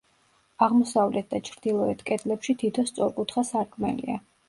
აღმოსავლეთ და ჩრდილოეთ კედლებში თითო სწორკუთხა სარკმელია.